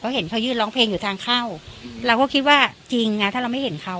เขาเห็นเขายืนร้องเพลงอยู่ทางเข้าเราก็คิดว่าจริงไงถ้าเราไม่เห็นเขา